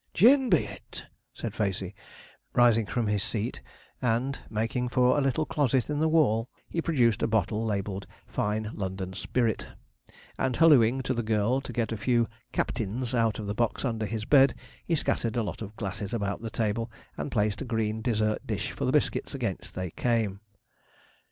'Gin be it,' said Facey, rising from his seat, and making for a little closet in the wall, he produced a bottle labelled 'Fine London Spirit'; and, hallooing to the girl to get a few 'Captins' out of the box under his bed, he scattered a lot of glasses about the table, and placed a green dessert dish for the biscuits against they came.